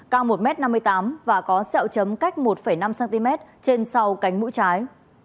cao một m năm mươi tám và có sẹo chấm cách một năm cm trên sau cánh mũi trái